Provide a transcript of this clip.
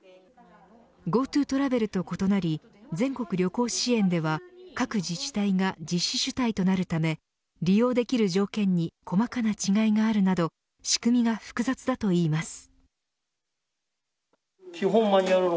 ＧｏＴｏトラベルと異なり全国旅行支援では各自治体が実施主体となるため利用できる条件に細かな違いがあるなど仕組みが複雑だといいます。